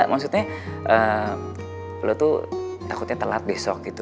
maksudnya lo tuh takutnya telat besok gitu